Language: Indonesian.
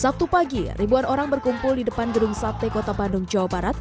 sabtu pagi ribuan orang berkumpul di depan gedung sate kota bandung jawa barat